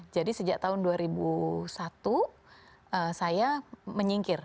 jadi sejak tahun dua ribu satu saya menyingkir